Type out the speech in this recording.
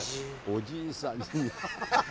おじいさん。